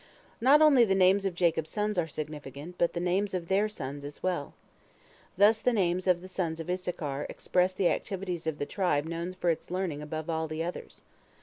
Not only the names of Jacob's sons are significant, but the names of their sons as well. Thus the names of the sons of Issachar express the activities of the tribe known for its learning above all the others.